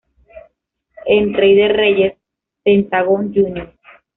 En "Rey de Reyes", Pentagón Jr.